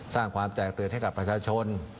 สร้างความแตกตื่นให้กับประชาชน